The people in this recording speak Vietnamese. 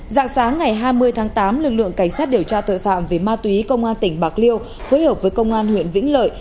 dạng sáng ngày hai mươi tháng tám lực lượng cảnh sát điều tra tội phạm về ma túy công an tỉnh bạc liêu phối hợp với công an huyện vĩnh lợi